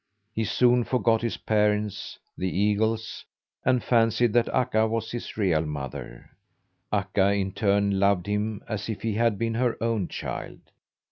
He soon forgot his parents, the eagles, and fancied that Akka was his real mother. Akka, in turn, loved him as if he had been her own child.